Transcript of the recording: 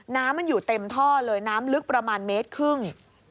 น้ำมันอยู่เต็มท่อเลยน้ำลึกประมาณเมตรครึ่ง